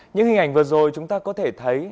những hình ảnh vừa rồi chúng ta có thể thấy